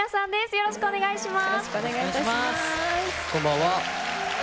よろしくお願いします。